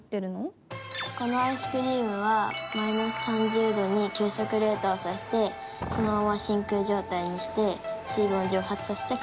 このアイスクリームはマイナス３０度に急速冷凍させてそのまま真空状態にして水分を蒸発させて乾燥させる